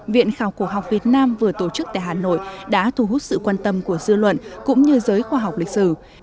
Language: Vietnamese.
viện khảo cổ học việt nam vừa tổ chức tại hà nội đã thu hút sự quan tâm của dư luận cũng như giới khoa học lịch sử